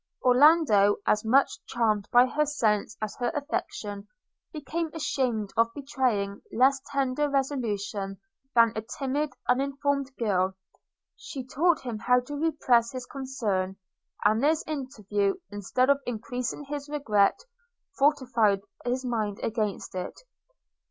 Orlando, as much charmed by her sense as her affection, became ashamed of betraying less tender resolution than a timid uninformed girl. She taught him how to repress his concern; and this interview, instead of increasing his regret, fortified his mind against it.